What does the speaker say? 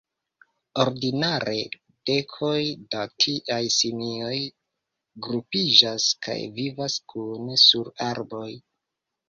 Ordinare dekoj da tiaj simioj grupiĝas kaj vivas kune sur arboj.